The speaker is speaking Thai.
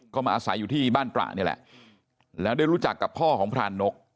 ก็มาอาศัยอยู่ที่บ้านตระนี่แหละแล้วได้รู้จักกับพ่อของพรานนก